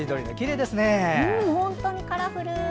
本当にカラフル。